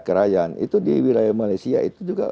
kerayan itu di wilayah malaysia itu juga